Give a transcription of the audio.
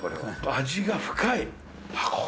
味が深い。